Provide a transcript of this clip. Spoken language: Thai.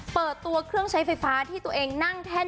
เปิดตัวเครื่องใช้ไฟฟ้าที่ตัวเองนั่งแท่น